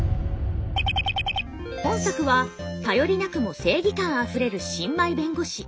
本作は頼りなくも正義感あふれる新米弁護士